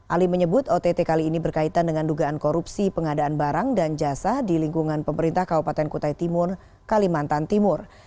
ali menyebut ott kali ini berkaitan dengan dugaan korupsi pengadaan barang dan jasa di lingkungan pemerintah kabupaten kutai timur kalimantan timur